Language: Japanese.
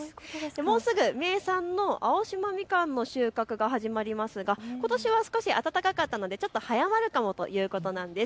もうすぐ名産の青島みかんの収穫が始まりますがことしは少し暖かかったので少し早まるかもということです。